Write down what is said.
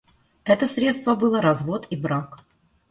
Это средство было развод и брак.